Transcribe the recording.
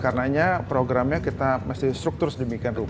karena programnya kita masih struktur sedemikian rupa